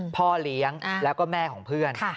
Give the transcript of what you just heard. พ่อเลี้ยงแล้วก็แม่ของเพื่อน